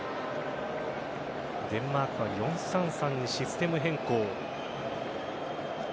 デンマークは４−３−３にシステム変更。